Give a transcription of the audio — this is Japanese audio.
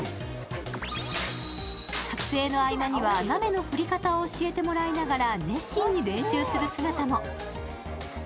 撮影の合間には鍋の振り方を教えてもらいながら熱心に練習する姿も。